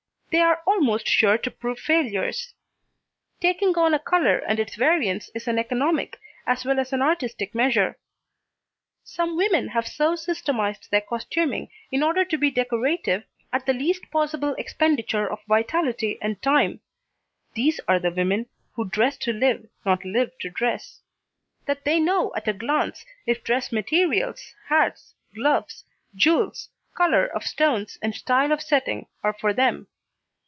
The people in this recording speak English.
They are almost sure to prove failures. Taking on a colour and its variants is an economic, as well as an artistic measure. Some women have so systematised their costuming in order to be decorative, at the least possible expenditure of vitality and time (these are the women who dress to live, not live to dress), that they know at a glance, if dress materials, hats, gloves, jewels, colour of stones and style of setting, are for them.